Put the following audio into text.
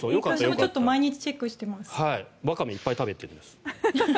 ワカメをいっぱい食べてるんです。